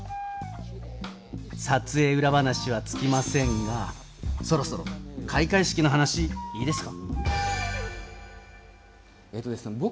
撮影裏話は尽きませんがそろそろ開会式の話いいですか？